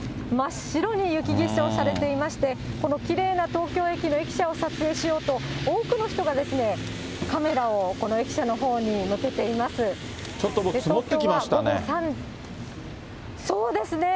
真っ白に雪化粧されていまして、このきれいな東京駅の駅舎を撮影しようと、多くの人がですね、カメラをこの駅舎のほうに向けています。